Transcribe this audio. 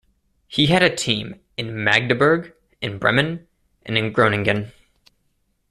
He had a team in Magdeburg, in Bremen and in Groningen.